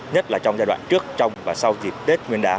nhất là trong giai đoạn trước trong và sau dịp tết nguyên đán